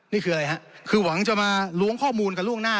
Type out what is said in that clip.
นี่คืออะไรฮะคือหวังจะมาล้วงข้อมูลกันล่วงหน้า